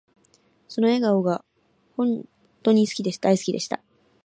その笑顔が本とに大好きでした